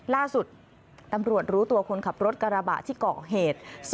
ล่าสุดตำรวจรู้ตัวคนขับรถกระบะที่เกาะเหตุ